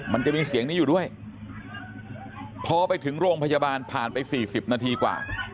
มันจะมีเสียงนี้อยู่ด้วยพอไปถึงโรงพยาบาลผ่านไป๔๐นาทีกว่า